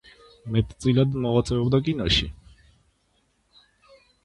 მეტწილად მოღვაწეობდა კინოში.